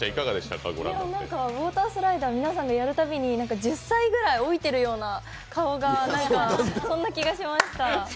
ウォータースライダー皆さんがやるたびに１０歳ぐらい老いているような顔が、そう感じました。